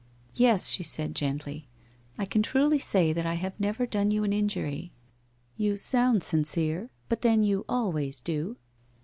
' Yes/ she said gently, ' I can truly say that I have never done you an injury/ I You sound sincere, but then you always do.'